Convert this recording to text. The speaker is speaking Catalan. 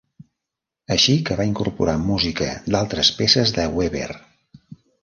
Així que va incorporar música d'altres peces de Weber.